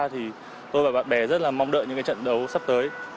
thì tôi và bạn bè rất là mong đợi những cái trận đấu sắp tới